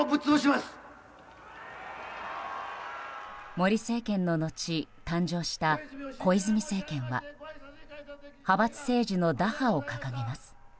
森政権の後誕生した小泉政権は派閥政治の打破を掲げます。